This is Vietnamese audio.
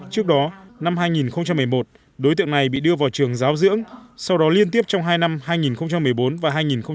trước đó năm hai nghìn một mươi một đối tượng này bị đưa vào trường giáo dưỡng sau đó liên tiếp trong hai năm hai nghìn một mươi bốn và hai nghìn một mươi bảy